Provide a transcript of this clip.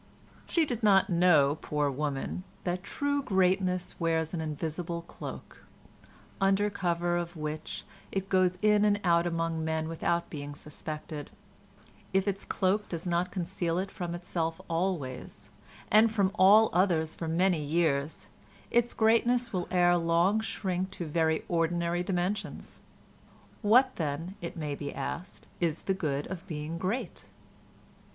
She did not know, poor woman, that the true greatness wears an invisible cloak, under cover of which it goes in and out among men without being suspected; if its cloak does not conceal it from itself always, and from all others for many years, its greatness will ere long shrink to very ordinary dimensions. What, then, it may be asked, is the good of being great?